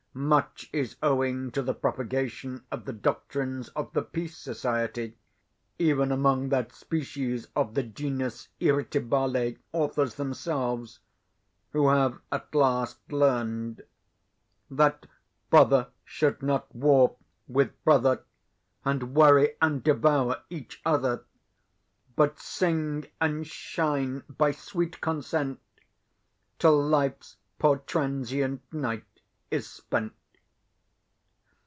Much is owing to the propagation of the doctrines of the Peace Society, even among that species of the genus irritabile, authors themselves, who have at last learned "That brother should not war with brother, And worry and devour each other; But sing and shine by sweet consent, Till life's poor transient night is spent."